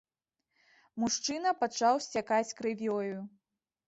Мужчына пачаў сцякаць крывёю.